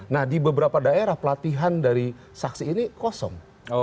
nah di beberapa daerah pelatihan dari saksi ini kosong